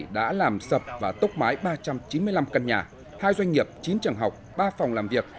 đã làm sập và tốc mái ba trăm chín mươi năm căn nhà hai doanh nghiệp chín trường học ba phòng làm việc